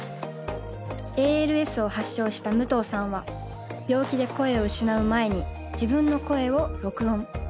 ＡＬＳを発症した武藤さんは病気で声を失う前に自分の声を録音。